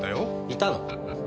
いたの？